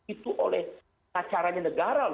itu oleh acaranya negara